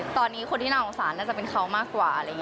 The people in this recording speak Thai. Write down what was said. ตอนนี้คนที่น่าออกสารน่าจะเป็นเขามากกว่า